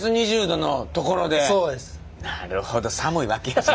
なるほど寒いわけやな